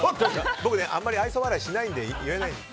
僕、あまり愛想笑いしないので言えないんです。